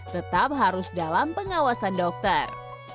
tetap harus dalam pengawasan dokter